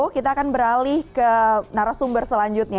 kita akan beralih ke narasumber selanjutnya